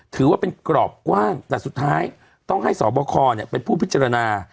ถือว่าเป็นกรอบกว้างแต่สุดท้ายต้องให้สอบคอเป็นผู้พิจารณา